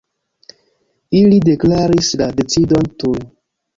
Ili deklaris la decidon tuj.